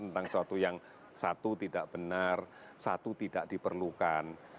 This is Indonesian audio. tentang suatu yang satu tidak benar satu tidak diperlukan